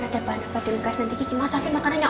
ada banyak di lukas nanti kiki masakin makanannya